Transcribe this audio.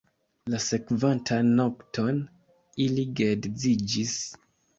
La sekvantan nokton ili geedziĝis.